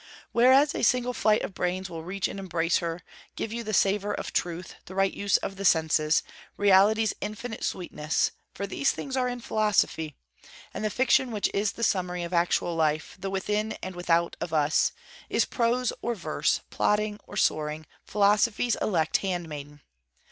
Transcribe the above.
Whereas a single flight of brains will reach and embrace her; give you the savour of Truth, the right use of the senses, Reality's infinite sweetness; for these things are in philosophy; and the fiction which is the summary of actual Life, the within and without of us, is, prose or verse, plodding or soaring, philosophy's elect handmaiden.